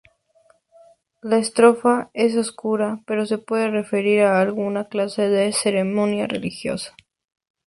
La estrofa es oscura pero se puede referir a alguna clase de ceremonia religiosa.